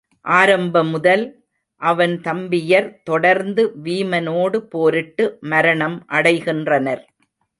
ஆரம்ப முதல் அவன் தம்பியர் தொடர்ந்து வீமனோடு போரிட்டு மரணம் அடைகின்றனர்.